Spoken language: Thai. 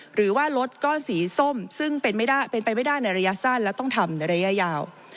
หรือว่ารถก้อนสีส้มซึ่งเป็นไปไม่ได้ในระยะสั้นและต้องทำในระยะยาว